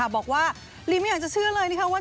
บอกว่าลีนไม่อยากเชื่อเลยว่า